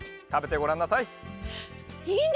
たべてごらんなさい。